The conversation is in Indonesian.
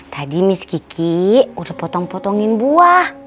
tadi miss kiki udah potong potongin buah